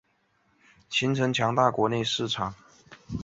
贝尔曼先后在布鲁克林学院和威斯康星大学学习数学。